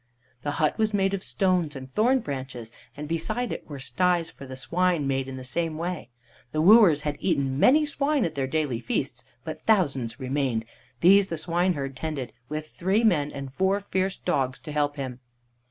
The hut was made of stones and thorn branches, and beside it were sties for the swine made in the same way. The wooers had eaten many swine at their daily feasts, but thousands remained. These the swineherd tended, with three men and four fierce dogs to help him.